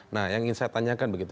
nah yang ingin saya tanyakan begitu